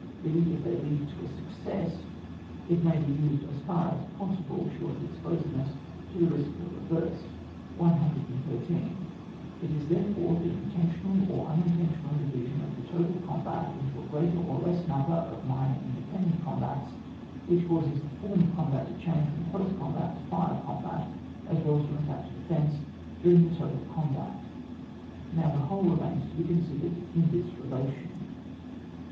(&) If they lead to a success it may be 136 ON WAR, used, as fiar as possible, short of exposing us to the risk of a reverse. 113. It isy therefore, the intentional or unintentional division of the total combat into a greater or less number of minor, independent combats, which causes the form of combat to change from close combat to fire combat, as well as from attack to defence, during the total com bat. Now the whole still remains to be con sidered in this relation.